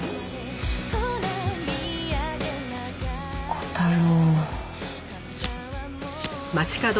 小太郎。